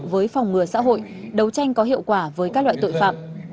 với phòng ngừa xã hội đấu tranh có hiệu quả với các loại tội phạm